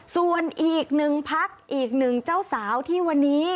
ส่วนอีกหนึ่งพักอีกหนึ่งเจ้าสาวที่วันนี้